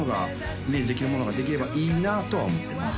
イメージできるものができればいいなとは思ってます